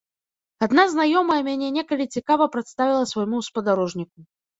Адна знаёмая мяне некалі цікава прадставіла свайму спадарожніку.